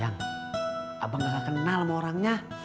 yang abang gak kenal sama orangnya